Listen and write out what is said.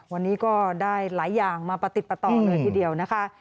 วันนี้ก็ได้หลายอย่างมาประติดประต่อเลยทีเดียวนะคะ